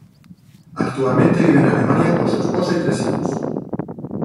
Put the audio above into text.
Actualmente vive en Alemania con su esposa y tres hijos.